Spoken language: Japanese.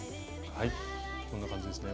こんな感じですね。